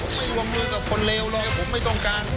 ผมไม่วงมือกับคนเลวเลยผมไม่ต้องการ